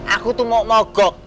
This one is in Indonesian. aku tuh mau mogok